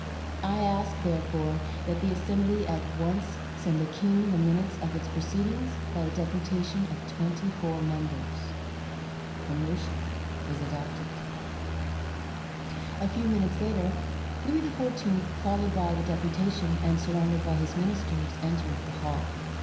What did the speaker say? I ask, therefore, that the Assembly at once send the King the minutes of its proceedings by a deputation of twenty four members." The motion was adopted. A few minutes later, Louis XVI., followed by the deputation and surrounded by his ministers, entered the hall.